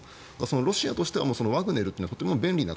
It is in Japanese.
ロシアとしてはワグネルは便利で